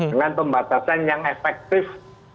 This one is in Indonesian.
dengan pembatasan yang efektif